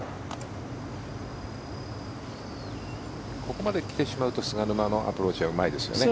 ここまで来てしまうと菅沼のアプローチはうまいですよね。